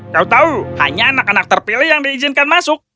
tahu tahu hanya anak anak terpilih yang diizinkan masuk